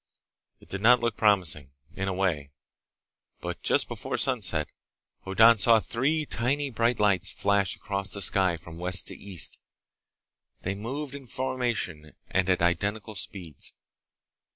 It did not look promising, in a way. But just before sunset, Hoddan saw three tiny bright lights flash across the sky from west to east. They moved in formation and at identical speeds.